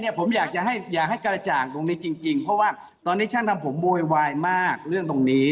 ผมอยากจะให้อย่าให้กระจ่างตรงนี้จริงเพราะว่าตอนนี้ช่างทำผมโวยวายมากเรื่องตรงนี้